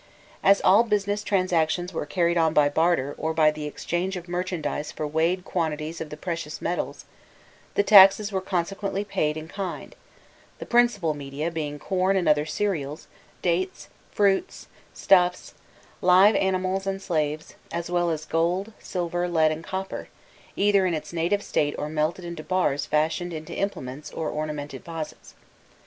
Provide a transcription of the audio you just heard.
As all business transactions were carried on by barter or by the exchange of merchandise for weighed quantities of the precious metals, the taxes were consequently paid in kind: the principal media being corn and other cereals, dates, fruits, stuffs, live animals and slaves, as well as gold, silver, lead, and copper, either in its native state or melted into bars fashioned into implements or ornamented vases.